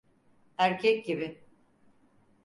Erkek gibi.